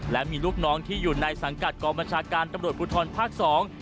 และมีลูกน้องที่อยู่ในสังกัดกองบัญชาการตำรวจภูทรภาคสอง